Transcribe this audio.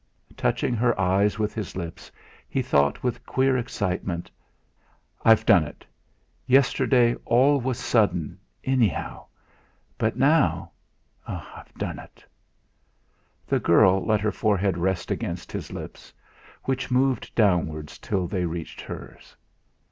Touching her eyes with his lips, he thought with queer excitement: 'I've done it! Yesterday all was sudden anyhow; but now I've done it!' The girl let her forehead rest against his lips, which moved downwards till they reached hers.